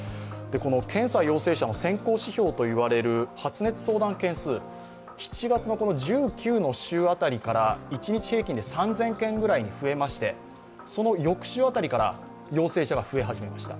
検査陽性者の先行指標と言われる発熱相談件数、７月１９日の週辺りから一日平均で３０００件ぐらいに増えまして、その翌週あたりから陽性者が増え始めました。